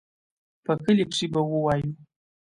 په کلي کښې به ووايو.